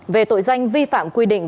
về tội danh vi phạm quy định